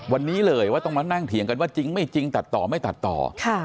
วันนี้เลยว่าต้องมานั่งเถียงกันว่าจริงไม่จริงตัดต่อไม่ตัดต่อ